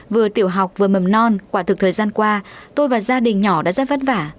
vừa tiểu học vừa mầm non quả thực thời gian qua tôi và gia đình nhỏ đã rất vất vả